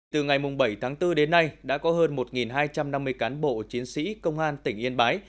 từ ngày bảy tháng bốn đến nay đã có hơn một hai trăm năm mươi cán bộ chiến sĩ công an tỉnh yên bái